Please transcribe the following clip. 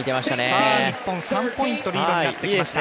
日本、３ポイントリードになりました。